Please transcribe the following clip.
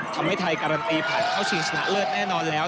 ทำให้ไทยการันตีผ่านเข้าชิงชนะเลิศแน่นอนแล้ว